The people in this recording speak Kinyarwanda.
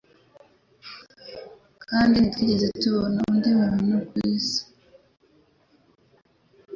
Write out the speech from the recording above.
Kandi ntitwigeze tubona undi muntu kwisi